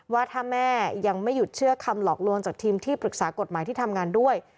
ว่าถ้าแม่ยังไม่หยุดเชื่อคำหลอกลวงจากทีมที่ปรึกษากฎหมายที่ทำงานด้วย